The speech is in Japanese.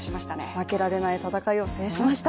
負けられない戦いを制しました。